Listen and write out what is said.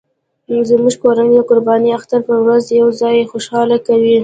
زموږ کورنۍ د قرباني اختر په ورځ یو ځای خوشحالي کوي